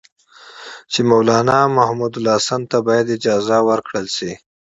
چې مولنا محمودالحسن ته باید اجازه ورکړل شي.